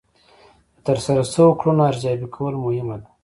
د ترسره شوو کړنو ارزیابي کول مهمه ده.